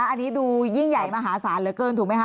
อันนี้ดูยิ่งใหญ่มหาศาลเหลือเกินถูกไหมค